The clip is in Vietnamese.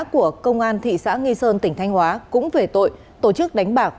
của công an thị xã nghi sơn tỉnh thanh hóa cũng về tội tổ chức đánh bạc